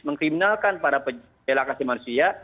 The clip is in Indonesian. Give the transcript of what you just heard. mengkriminalkan para pembela kasih manusia